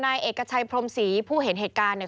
นายเอกชัยพรมศรีผู้เห็นเหตุการณ์เนี่ย